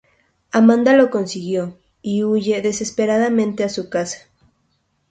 Amanda lo consigue y huye desesperada a su casa.